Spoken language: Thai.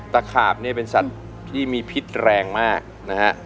ขาบเนี่ยเป็นสัตว์ที่มีพิษแรงมากนะฮะ